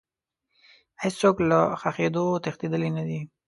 هیڅ څوک له ښخېدو تښتېدلی نه دی.